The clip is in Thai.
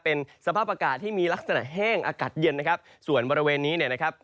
เป็นสภาพอากาศที่มีลักษณะแห้งอากาศเย็นนะครับส่วนบริเวณนี้เนี่ยนะครับ